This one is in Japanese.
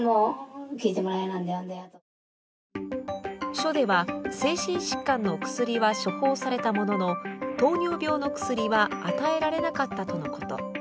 署では、精神疾患の薬は処方されたものの糖尿病の薬は与えられなかったとのこと。